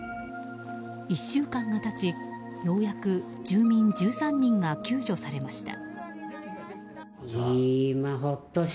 １週間が経ち、ようやく住民１３人が救助されました。